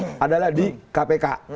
mungkin juga ada kaitan dengan ektp